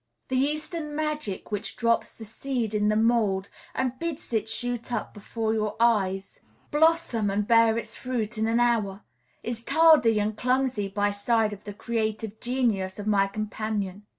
The Eastern magic which drops the seed in the mould, and bids it shoot up before your eyes, blossom, and bear its fruit in an hour, is tardy and clumsy by side of the creative genius of my companion.